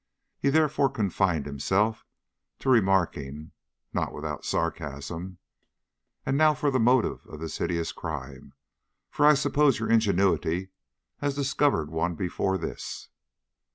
He therefore confined himself to remarking, not without sarcasm: "And now for the motive of this hideous crime for I suppose your ingenuity has discovered one before this."